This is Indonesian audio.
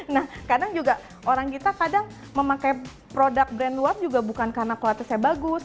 nah kadang juga orang kita kadang memakai produk brand luar juga bukan karena kualitasnya bagus